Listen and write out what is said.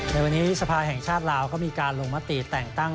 ในวันนี้สภาแห่งชาติลาวก็มีการลงมติแต่งตั้ง